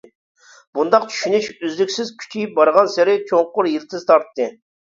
بۇنداق چۈشىنىش ئۆزلۈكسىز كۈچىيىپ بارغانسېرى چوڭقۇر يىلتىز تارتتى.